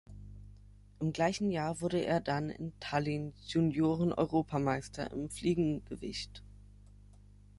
Im gleichen Jahr wurde er dann in Tallinn Junioren-Europameister im Fliegengewicht.